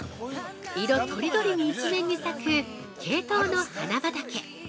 色とりどりに一面に咲くケイトウの花畑。